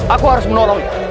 aku harus menolongnya